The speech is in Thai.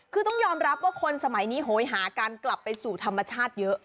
คือต้องยอมรับว่าคนสมัยนี้โหยหากันกลับไปสู่ธรรมชาติเยอะ